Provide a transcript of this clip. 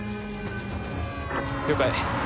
了解。